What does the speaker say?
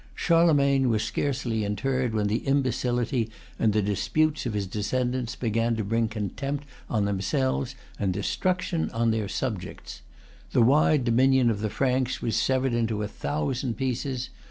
Charlemagne was scarcely interred when the imbecility and the disputes of his descendants began to bring contempt on themselves and destruction on their subjects. The wide dominion of the Franks was severed into a thousand pieces.